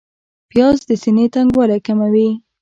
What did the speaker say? پیاز د سینې تنګوالی کموي